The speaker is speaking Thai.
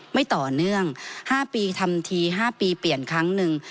ไม่ต่อเนื่อง๕ปีทำที๕ปีเปลี่ยนครั้งหนึ่ง